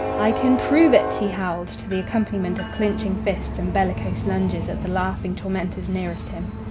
"I can prove ut," he howled, to the accompaniment of clinching fists and bellicose lunges at the laughing tormentors nearest him.